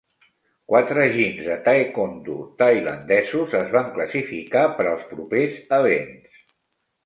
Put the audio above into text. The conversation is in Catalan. Quatre "jins" de taekwondo tailandesos es van classificar per als propers events.